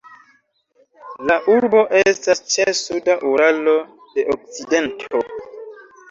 La urbo estas ĉe suda Uralo de okcidento.